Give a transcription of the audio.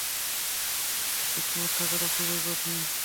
Smart থাকাটা খুবই কঠিন।